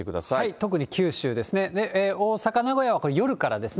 特に九州ですね、大阪、名古屋はこれ、夜からですね。